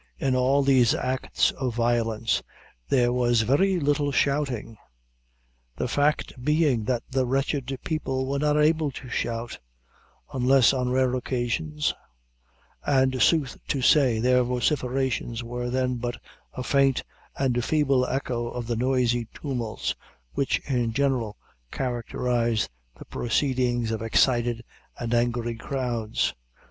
In all these acts of violence there was very little shouting; the fact being that the wretched people were not able to shout; unless on rare occasions; and sooth to say, their vociferations were then but a faint and feeble echo of the noisy tumults which in general characterize the proceedings of excited and angry crowds.